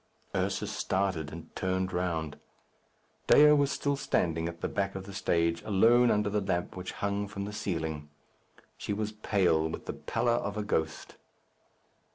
Ursus started and turned round. Dea was still standing at the back of the stage, alone under the lamp which hung from the ceiling. She was pale, with the pallor of a ghost.